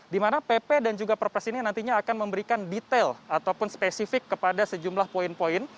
di mana pp dan juga perpres ini nantinya akan memberikan detail ataupun spesifik kepada sejumlah poin poin